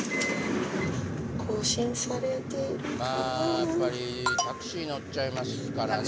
やっぱりタクシー乗っちゃいますからね。